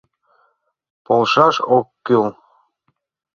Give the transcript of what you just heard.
Полшаш ок кӱл?